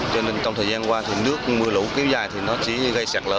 cho nên trong thời gian qua thì nước mưa lũ kéo dài thì nó chỉ gây sạt lở